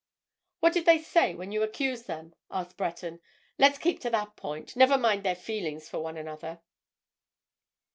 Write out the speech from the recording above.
"What did they say when you accused them?" asked Breton. "Let's keep to that point—never mind their feelings for one another."